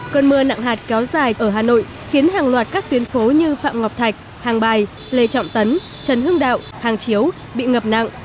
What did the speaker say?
cơn mưa nặng hạt kéo dài ở hà nội khiến hàng loạt các tuyến phố như phạm ngọc thạch hàng bài lê trọng tấn trần hưng đạo hàng chiếu bị ngập nặng